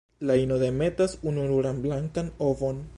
La ino demetas ununuran blankan ovon.